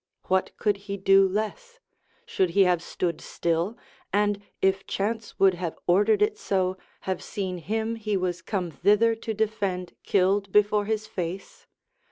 What could he do less? should he have stood still, and if chance would have ordered it so, have seen him he was come thither to defend killed before his face?